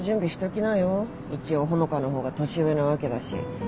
一応穂香の方が年上なわけだし